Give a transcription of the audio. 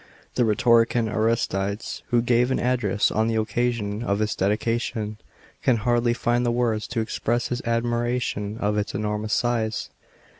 The rhetorician Aristides, who gave an address on the occasion of its dedication, can hardly find words to exp ess his admiration of its enormous size.